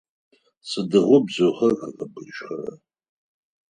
Сыдигъо бзыухэр къэбыбыжьхэра?